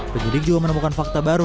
penyidik juga menemukan fakta baru